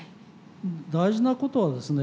大事なことはですね